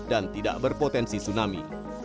dan tidak berpotensi tsunami